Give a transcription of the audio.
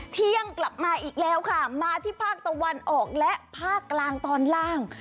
เที่ยงกลับมาอีกแล้วค่ะมาที่ภาคตะวันออกและภาคกลางตอนล่าง